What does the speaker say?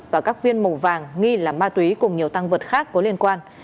và các viên màu vàng nghi là ma túy cùng nhiều tăng vật khác có liên quan